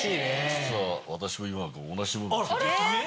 実は私も今のと同じものを着けてきて。